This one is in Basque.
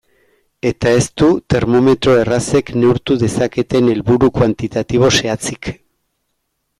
Eta ez du termometro errazek neurtu dezaketen helburu kuantitatibo zehatzik.